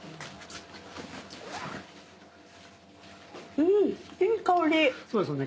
うんいい香り。